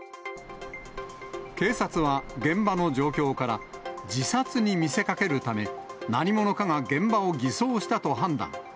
警察は、現場の状況から、自殺に見せかけるため、何者かが現場を偽装したと判断。